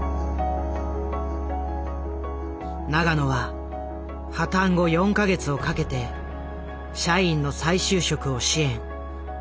永野は破たん後４か月をかけて社員の再就職を支援。